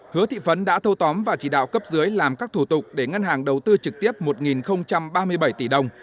hứa thị phấn đã thâu tóm và chỉ đạo cấp dưới làm các thủ tục để ngân hàng đầu tư trực tiếp một ba mươi bảy tỷ đồng